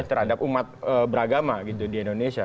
terhadap umat beragama gitu di indonesia